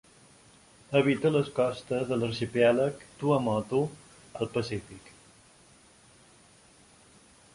Habita les costes de l'arxipèlag Tuamotu, al Pacífic.